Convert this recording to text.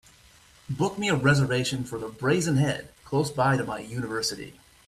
Book me a reservation for The Brazen Head close by to my university